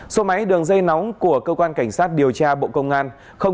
số máy đường dây nóng của cơ quan cảnh sát điều tra bộ công an